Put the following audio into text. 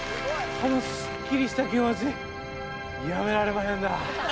このすっきりした気持ち、やめられまへんなぁ。